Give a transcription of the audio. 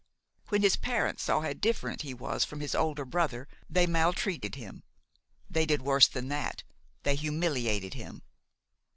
When his parents saw how different he was from his older brother, they maltreated him; they did worse than that: they humiliated him.